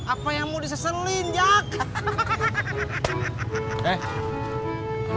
apa yang mau diselinjak hahahaha